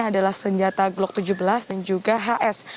adalah senjata glock tujuh belas dan juga hs